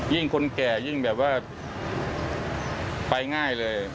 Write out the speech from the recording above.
คนแก่ยิ่งแบบว่าไปง่ายเลย